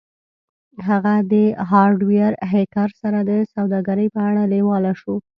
هغه د هارډویر هیکر سره د سوداګرۍ په اړه لیواله شو